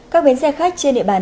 các bến xe khách trên địa bàn